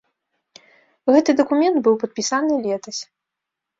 Гэты дакумент быў падпісаны летась.